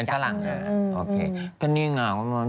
เป็นไฟรังอ่ะก็นี่คงครับ